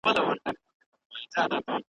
¬ کارگه د زرکي تگ کا وه خپل هغې ئې هېر سو.